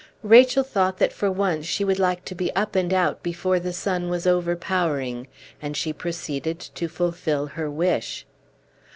Rachel thought that for once she would like to be up and out before the sun was overpowering. And she proceeded to fulfil her wish.